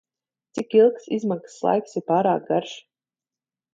Cik ilgs izmaksas laiks ir pārāk garš?